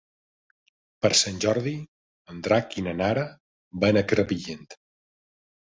Per Sant Jordi en Drac i na Nara van a Crevillent.